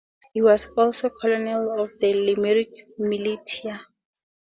He was also Colonel of the Limerick Militia.